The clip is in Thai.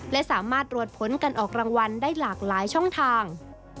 และสามารถรวดผลการออกรางวัลได้หลากหลายช่องทาง